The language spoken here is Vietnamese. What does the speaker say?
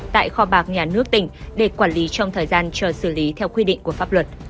tại kho bạc nhà nước tỉnh để quản lý trong thời gian chờ xử lý theo quy định của pháp luật